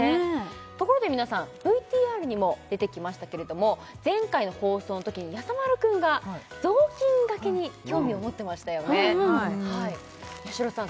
ところで皆さんＶＴＲにも出てきましたけれども前回の放送のときにやさ丸くんが雑巾がけに興味を持ってましたよねやしろさん